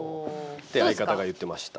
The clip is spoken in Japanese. って相方が言ってました。